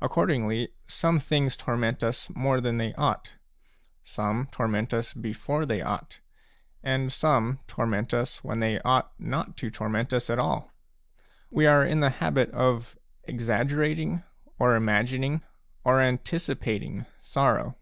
Accordingly, some things torment us more than they ought; some torment us before they ought; and some torment us when they ought not to torment us at all. We are in the habit of exaggerating, or imagining, or anticipating, sorrow.